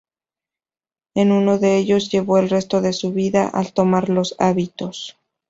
En uno de ellos llevó el resto de su vida, al tomar los hábitos.